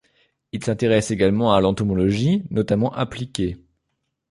Il s’intéresse également à l’entomologie notamment appliquée.